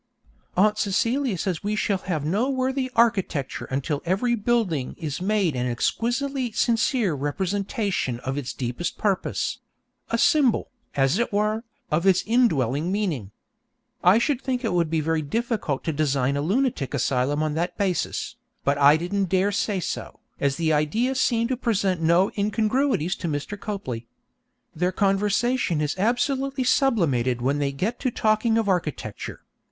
Aunt Celia says we shall have no worthy architecture until every building is made an exquisitely sincere representation of its deepest purpose a symbol, as it were, of its indwelling meaning. I should think it would be very difficult to design a lunatic asylum on that basis, but I didn't dare say so, as the idea seemed to present no incongruities to Mr. Copley. Their conversation is absolutely sublimated when they get to talking of architecture.